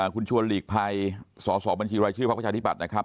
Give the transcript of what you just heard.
คุณชวนหลีกภัยสอสอบัญชีรายชื่อพักประชาธิบัตย์นะครับ